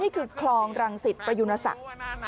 นี่คือคลองรังสิตประยุณศักดิ์